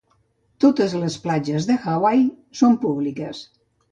Totes les platges de Hawaii són públiques.